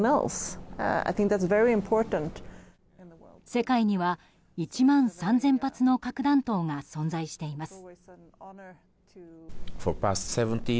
世界には１万３０００発の核弾頭が存在しています。